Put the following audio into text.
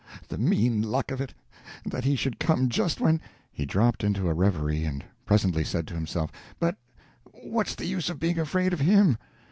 The mean luck of it! that he should come just when...." He dropped into a reverie, and presently said to himself: "But what's the use of being afraid of him?